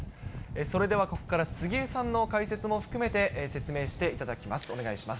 それではここから杉江さんの解説も含めて、説明していただきます。